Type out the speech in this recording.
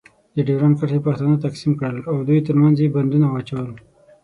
د ډیورنډ کرښې پښتانه تقسیم کړل. او دوی ترمنځ یې بندونه واچول.